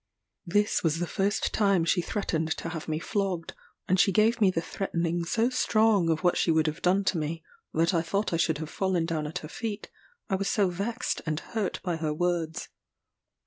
This was the first time she threatened to have me flogged; and she gave me the threatening so strong of what she would have done to me, that I thought I should have fallen down at her feet, I was so vexed and hurt by her words.